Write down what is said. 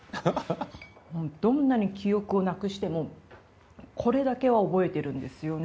もうどんなに記憶をなくしてもこれだけは覚えてるんですよね。